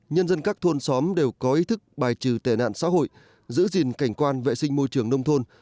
nhân dân các thôn xóm đều có ý thức bài trừ tệ nạn xã hội giữ gìn cảnh quan vệ sinh môi trường nông thôn